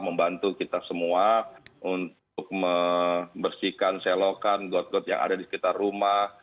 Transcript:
membantu kita semua untuk membersihkan selokan got got yang ada di sekitar rumah